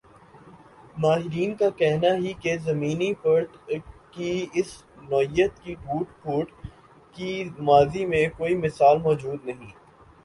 ماہرین کا کہنا ہی کہ زمینی پرت کی اس نوعیت کی ٹوٹ پھوٹ کی ماضی میں کوئی مثال موجود نہیں ا